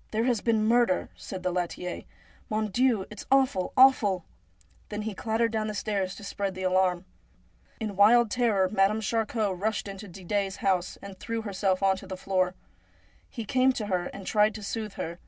' There has been murder,' said the laitier. ' Mon Dieu ! it's awful, awful !' Then he clattered down the stairs to spread the alarm. In wild terror, Madame Charcot rushed into Didet' s house, and threw herself on to the floor. He came to her and tried to soothe her.